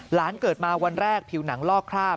เกิดมาวันแรกผิวหนังลอกคราบ